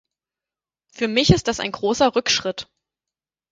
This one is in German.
Für mich ist das ein großer Rückschritt.